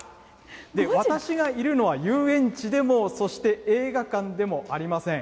私がいるのは、遊園地でも、そして映画館でもありません。